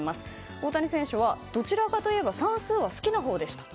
大谷選手はどちらかといえば算数は好きなほうでしたと。